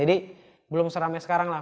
jadi belum seramai sekarang lah